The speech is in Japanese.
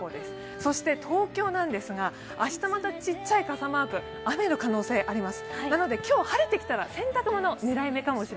そして東京なんですが、明日またちっちゃい傘マーク、雨の可能性あります。